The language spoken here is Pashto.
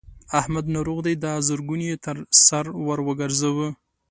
احمد ناروغ دی؛ دا زرګون يې تر سر ور ګورځوه.